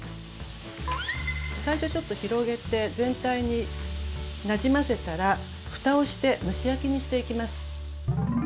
最初ちょっと広げて全体になじませたらふたをして蒸し焼きにしていきます。